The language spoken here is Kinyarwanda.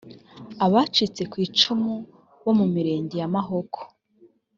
abacitse ku icumu bo mu mirenge yamahoko``